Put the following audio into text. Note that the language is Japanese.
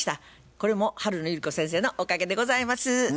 これも春野百合子先生のおかげでございます。